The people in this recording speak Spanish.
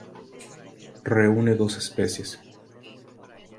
Reúne dos especies.